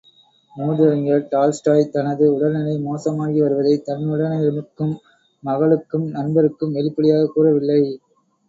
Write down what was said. மூதறிஞர் Tolstoy தனது உடல் நிலை மோசமாகி வருவதை தன்னுடனிருக்கும் மகளுக்கும் நண்பருக்கும் வெளிப்படையாகக் கூறவில்லை.